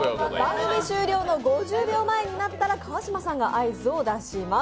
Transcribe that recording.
番組終了の５０秒前になったら川島さんが合図を出します。